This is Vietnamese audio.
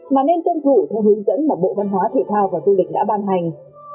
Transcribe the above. mà nên tuân thủ theo hướng dẫn mà bộ văn hóa thể thao và du lịch đã ban hành